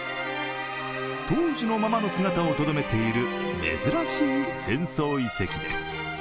当時のままの姿をとどめている珍しい戦争遺跡です。